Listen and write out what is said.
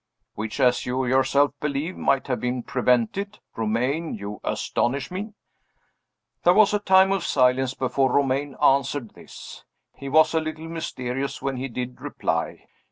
"Which, as you yourself believe, might have been prevented! Romayne, you astonish me." There was a time of silence, before Romayne answered this. He was a little mysterious when he did reply.